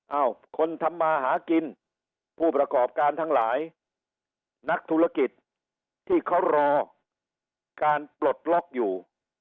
เอ้าคนทำมาหากินผู้ประกอบการทั้งหลายนักธุรกิจที่เขารอการปลดล็อกอยู่